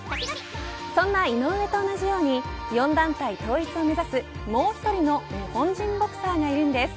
そんな井上と同じように４団体統一を目指すもう１人の日本人ボクサーがいるんです。